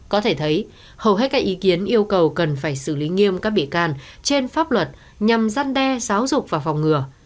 có thể thấy hầu hết các ý kiến yêu cầu cần phải xử lý nghiêm các bị can trên pháp luật nhằm gian đe giáo dục và phòng ngừa